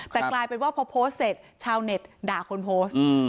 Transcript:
แต่กลายเป็นว่าพอโพสต์เสร็จชาวเน็ตด่าคนโพสต์